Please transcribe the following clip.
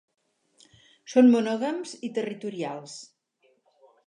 Són monògams i territorials.